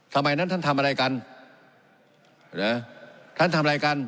ทำไมนั้นท่านทำอะไรกันนะท่านทำอะไรกัน